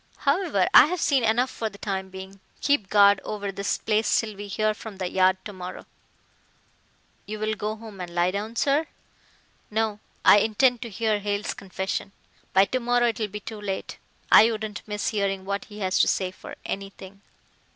However, I have seen enough for the time being. Keep guard over this place till we hear from the Yard tomorrow." "You'll go home and lie down, sir." "No. I intend to hear Hale's confession. By to morrow it will be too late. I wouldn't miss hearing what he has to say for anything."